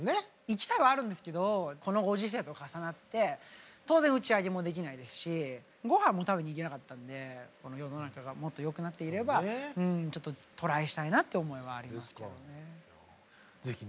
行きたいはあるんですけどこのご時世と重なって当然打ち上げもできないですしごはんも食べに行けなかったので世の中がもっとよくなっていればちょっとトライしたいなって思いはありますけど。